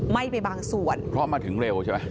ไปบางส่วนเพราะมาถึงเร็วใช่ไหม